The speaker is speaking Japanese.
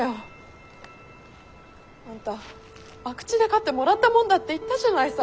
あんた博打で勝ってもらったもんだって言ったじゃないさ。